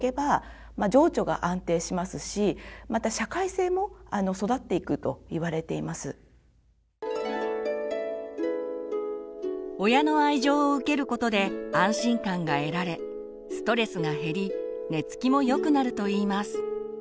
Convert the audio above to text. それが順調に育っていけば親の愛情を受けることで安心感が得られストレスが減り寝つきもよくなるといいます。